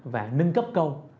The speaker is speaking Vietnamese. và nâng cấp câu